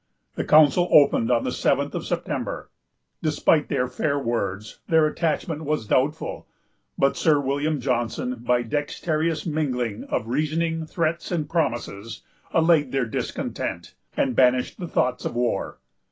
The council opened on the seventh of September. Despite their fair words, their attachment was doubtful; but Sir William Johnson, by a dexterous mingling of reasoning, threats, and promises, allayed their discontent, and banished the thoughts of war.